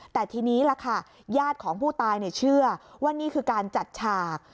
แต่ทีนี้ล่ะค่ะญาติของผู้ตายเชื่อว่านี่คือการจัดฉาก